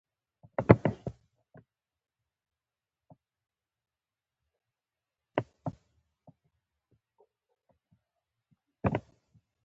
ځینې ډلې کیدای شي تاوتریخجنې وي لکه شامپانزې.